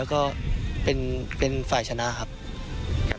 ก็เป็นฝ่ายชนะครับ